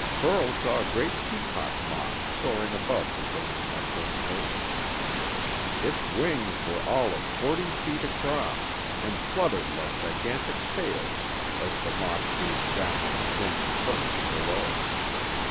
Burl saw a great peacock moth soaring above the burning mushroom hills. Its wings were all of forty feet across, and fluttered like gigantic sails as the moth gazed down at the flaming furnace below.